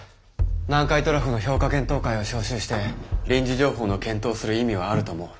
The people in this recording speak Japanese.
南海トラフの評価検討会を招集して臨時情報の検討をする意味はあると思う。